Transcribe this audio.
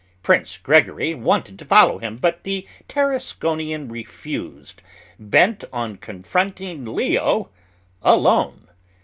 Prince Gregory wanted to follow him, but the Tarasconian refused, bent on confronting Leo alone.